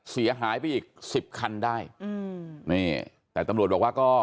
เสียหายไปอีกสิบคันได้อืมนี่แต่ตำรวจบอกว่าก็